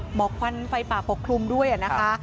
หมอกควันไฟป่าปกคลุมด้วยนะคะ